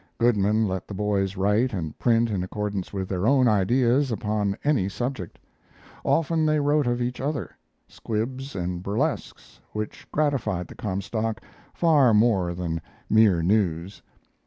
Goodman let the boys write and print in accordance with their own ideas and upon any subject. Often they wrote of each other squibs and burlesques, which gratified the Comstock far more than mere news.